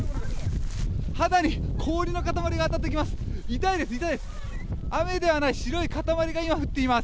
肌に氷の塊が当たってきます。